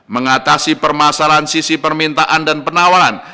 mengatasi permasalahan sisi permintaan dan penawaran